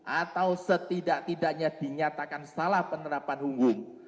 atau setidak tidaknya dinyatakan salah penerapan hukum